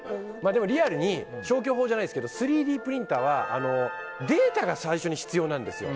リアルに消去法じゃないですが３Ｄプリンターはデータが最初に必要なんですよ。